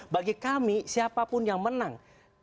bagi kami siapapun yang menang